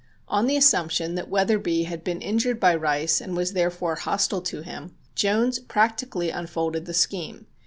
On the assumption that Wetherbee had been injured by Rice and was therefore hostile to him, Jones practically unfolded the scheme.